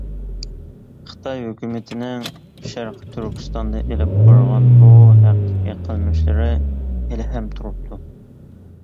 خىتاي ھۆكۈمىتىنىڭ شەرقى تۈركىستاندا ئېلىپ بارغان بۇ ھەقتىكى قىلمىشلىرى ھېلىھەم تۇرۇپتۇ.